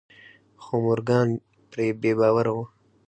خو مورګان پرې بې باوره و.